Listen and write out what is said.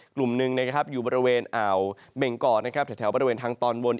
กลุ่มหนึ่งนะครับอยู่บริเวณอ่าวเมงกอร์นะครับแถวบริเวณทางตอนบน